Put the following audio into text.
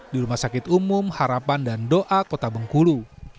di rumah sakit umum harapan dan doa kota bengkulu